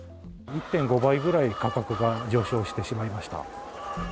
１．５倍ぐらい価格が上昇してしまいました。